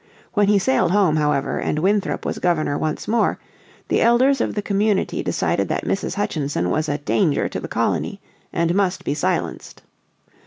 When he sailed home, however, and Winthrop was Governor once more, the elders of the community decided that Mrs. Hutchinson was a danger to the colony, and must be silenced.